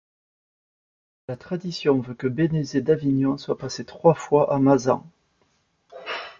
La tradition veut que Bénézet d'Avignon soit passé trois fois à Mazan.